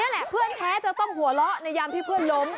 แหละเพื่อนแท้จะต้องหัวเราะในยามที่เพื่อนล้ม